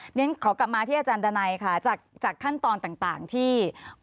อย่างนั้นขอกลับมาที่อาจารย์ดันไนค่ะจากขั้นตอนต่างที่